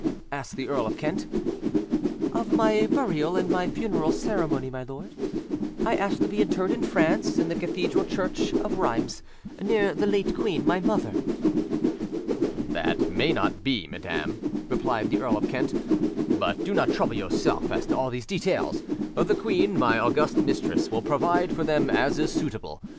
asked the Earl of Kent. "Of my burial and my funeral ceremony, my lord: I asked to be interred in France, in the cathedral church of Rheims, near the late queen my mother." "That may not be, madam," replied the Earl of Kent; "but do not trouble yourself as to all these details: the queen, my august mistress, will provide for them as is suitable.